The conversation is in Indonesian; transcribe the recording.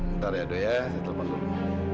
ntar ya do saya telepon dulu